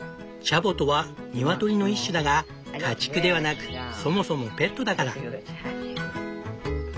チャボとはニワトリの一種だが家畜ではなくそもそもペットだから。